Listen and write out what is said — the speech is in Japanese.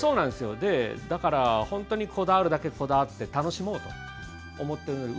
本当にこだわるだけこだわって楽しもうと思っているので。